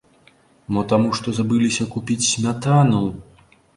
Мо таму што забыліся купіць смятану!?